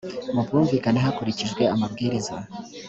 mu bwumvikane hakurikijwe amabwiriza